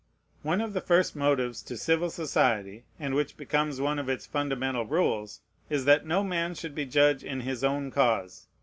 One of the first motives to civil society, and which becomes one of its fundamental rules, is, that no man should be judge in his own cause.